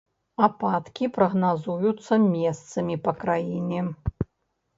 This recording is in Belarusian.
Ападкі прагназуюцца месцамі па краіне.